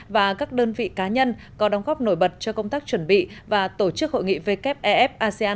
và các đơn vị cá nhân có đóng góp nổi bật cho công tác chuẩn bị và tổ chức hội nghị wef asean hai nghìn một mươi tám